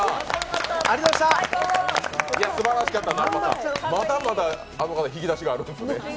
すばらしかった南波さん、まだまだあの人引き出しがあるんですね。